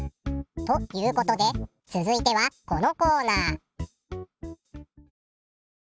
ということで続いてはこのコーナー。